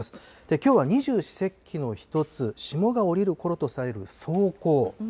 きょうは二十四節気の１つ、霜が降りるころとされる霜降。